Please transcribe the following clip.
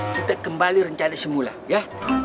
kita kembali rencana semula ya